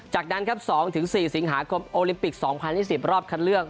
จากนั้นครับ๒๔สิงหาคมโอลิมปิก๒๐๒๐รอบคัดเลือก